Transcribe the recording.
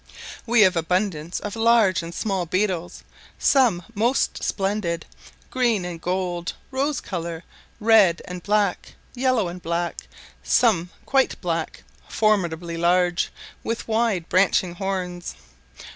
We have abundance of large and small beetles, some most splendid: green and gold, rose colour, red and black, yellow and black; some quite black, formidably large, with wide branching horns.